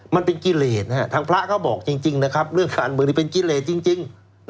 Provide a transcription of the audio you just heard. มันเป็นกิเลสทางพระเขาบอกจริงนะครับเรื่องการเมืองเป็นกิเลสจริง